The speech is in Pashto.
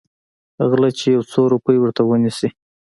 غله چې يو څو روپۍ ورته ونيسي.